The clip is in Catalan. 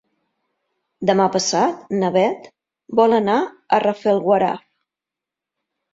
Demà passat na Beth vol anar a Rafelguaraf.